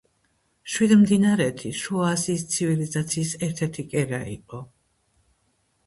შვიდმდინარეთი შუა აზიის ცივილიზაციის ერთ-ერთი კერა იყო.